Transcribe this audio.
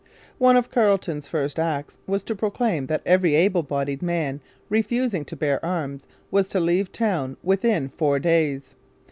One of Carleton's first acts was to proclaim that every able bodied man refusing to bear arms was to leave the town within four days.